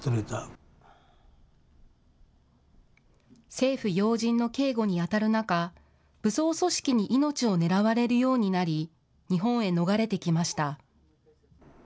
政府要人の警護にあたる中、武装組織に命を狙われるようになり、日本へ逃れてきました。